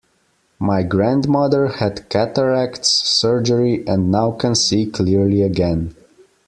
My grandmother had cataracts surgery and now can see clearly again.